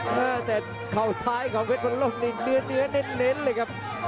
หน้าแต่เข้าซ้ายของเผ็ดบนร่มเนื้อเนื้อเน็ดเน็ดเลยครับ